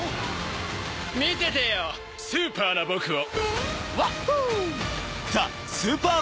「見ててよスーパーな僕を」